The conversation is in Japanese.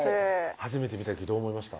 初めて見た時どう思いました？